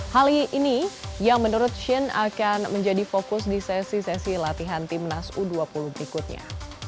hal ini yang menurut shin akan menjadi fokus di sesi sesi latihan timnas u dua puluh berikutnya